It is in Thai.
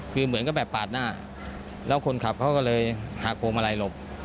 คือเหมือนก็แบบปาดหน้าแล้วคนขับเขาก็เลยหักพวงมาลัยหลบ